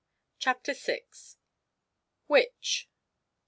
CHAPTER VI. "WHICH?"